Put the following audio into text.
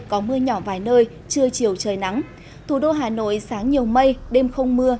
có mưa nhỏ vài nơi trưa chiều trời nắng thủ đô hà nội sáng nhiều mây đêm không mưa